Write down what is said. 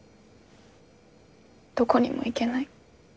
どこにも行けない。